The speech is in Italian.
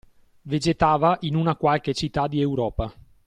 Vegetava in una qualche città di Europa.